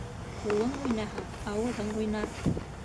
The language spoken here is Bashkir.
Ҡулың уйнаһа, ауыҙың уйнар.